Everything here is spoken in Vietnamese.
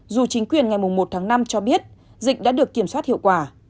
dù chính quyền ngày một tháng năm cho biết dịch đã được kiểm soát hiệu quả